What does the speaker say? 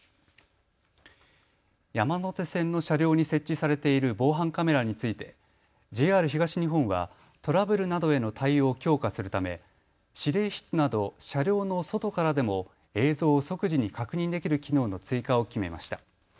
山手線の車両に設置されている防犯カメラについてＪＲ東日本はトラブルなどへの対応を強化するため、指令室など車両の外からでも映像を即時に確認できる機能の追加を決めました。